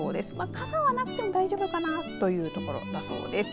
傘はなくても大丈夫かなというところだそうです。